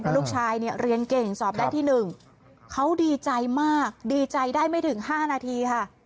ลูกชายเนี่ยเรียนเก่งสอบได้ที่๑เขาดีใจมากดีใจได้ไม่ถึง๕นาทีค่ะ